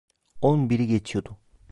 On biri geçiyordu.